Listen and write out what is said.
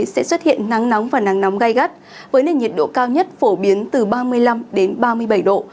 sẽ xuất hiện nắng nóng và nắng nóng gai gắt với nền nhiệt độ cao nhất phổ biến từ ba mươi năm ba mươi bảy độ